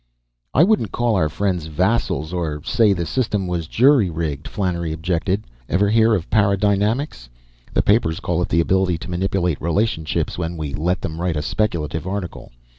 "I wouldn't call our friends vassals, or say the system was jury rigged," Flannery objected. "Ever hear of paradynamics? The papers call it the ability to manipulate relationships, when we let them write a speculative article.